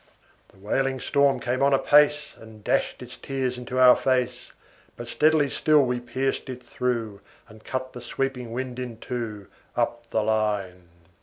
The wailing storm came on apace, And dashed its tears into our fade; But steadily still we pierced it through, And cut the sweeping wind in two, Up the line.